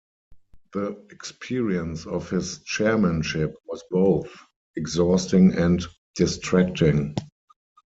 The experience of his chairmanship was both exhausting and distracting.